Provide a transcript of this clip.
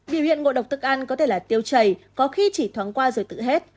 biểu hiện ngộ độc thức ăn có thể là tiêu chảy có khi chỉ thoáng qua rồi tự hết